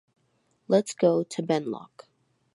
Let's go to Benlloc.